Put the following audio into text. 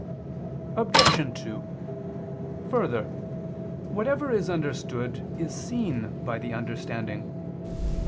Obj. 2: Further, whatever is understood is seen by the understanding.